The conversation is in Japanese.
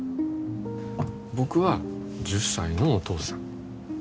僕は１０歳のお父さん。